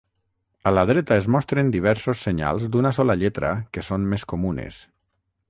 A la dreta es mostren diversos senyals d'una sola lletra que són més comunes.